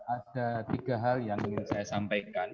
ada tiga hal yang ingin saya sampaikan